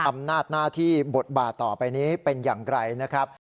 อำนาจหน้าที่บทบาทต่อไปนี้เป็นอย่างไรนะครับ